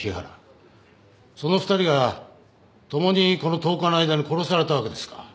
その２人が共にこの１０日の間に殺されたわけですか。